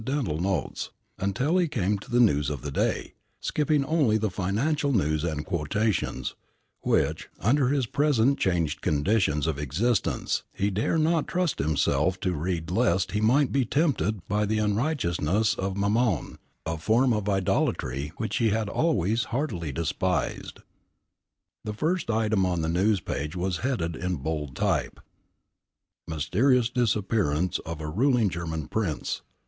Notes, until he came to the news of the day, skipping only the financial news and quotations, which, under his present changed conditions of existence, he dare not trust himself to read lest he might be tempted by the unrighteousness of Mammon, a form of idolatry which he had always heartily despised. The first item on the news page was headed in bold type: ~"MYSTERIOUS DISAPPEARANCE OF A RULING GERMAN PRINCE.